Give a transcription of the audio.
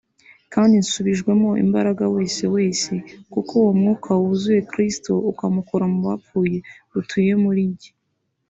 kandi nshubijwemo imbaraga wese wese kuko uwo Mwuka wazuye Kristo akamukura mu bapfuye atuye muri jye